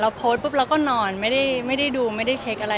โพสต์ปุ๊บเราก็นอนไม่ได้ดูไม่ได้เช็คอะไร